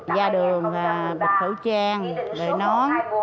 ra đường bật khẩu trang lời nón